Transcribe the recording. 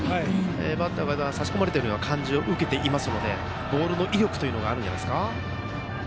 バッターが差し込まれたような感じを受けているのでボールの威力というのがあるんじゃないですか。